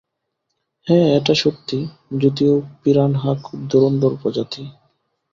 হ্যাঁ, এটা সত্যি, যদিও পিরানহা খুব ধুরন্ধর প্রজাতি।